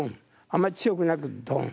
あんまり強くなく「ドン」。